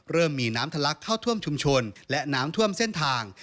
เริ่มมีน้ำทะลักเข้าท่วมชุมชนและน้ำท่วมเส้นทาง